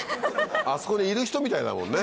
あそこにいる人みたいだもんね。